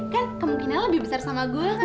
kan kemungkinan lebih besar sama gue kan